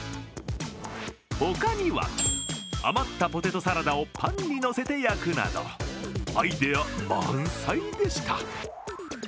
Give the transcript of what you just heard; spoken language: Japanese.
ほかには余ったポテトサラダをパンにのせて焼くなどアイデア満載でした。